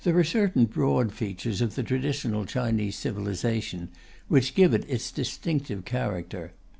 There are certain broad features of the traditional Chinese civilization which give it its distinctive character.